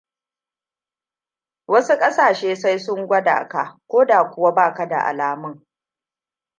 wasu kasashe sai sun gwada ka koda kuwa baka da alamun.